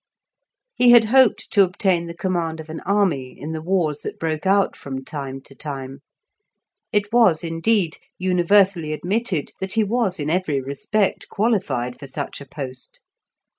He had hoped to obtain the command of an army in the wars that broke out from time to time; it was, indeed, universally admitted that he was in every respect qualified for such a post.